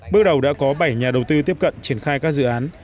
bước đầu đã có bảy nhà đầu tư tiếp cận triển khai các dự án